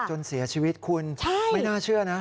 จนเสียชีวิตคุณไม่น่าเชื่อนะ